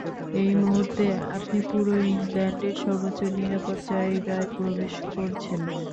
এই মুহূর্তে আপনি পুরো ইংল্যান্ডের সর্বোচ্চ নিরাপদ জায়গায় প্রবেশ করছেন।